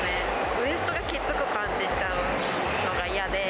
ウエストがきつく感じちゃうのが嫌で。